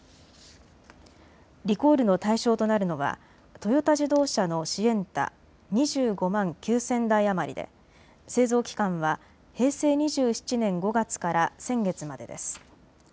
リコールの対象となるのはトヨタ自動車のシエンタ、２５万９０００台余りで製造期間は平成２７年５月から先月までです。